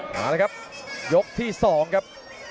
มาแล้วครับยกที่๒ครับ